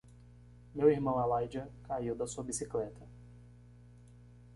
Meu irmão Elijah caiu da sua bicicleta.